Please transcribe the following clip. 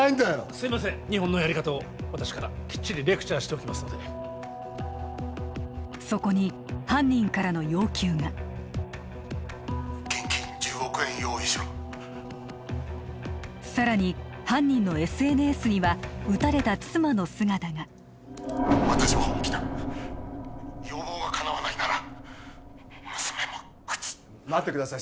すいません日本のやり方を私からきっちりレクチャーしておきますのでそこに犯人からの要求が現金１０億円用意しろさらに犯人のＳＮＳには撃たれた妻の姿が私は本気だ要望がかなわないなら娘も撃つ待ってください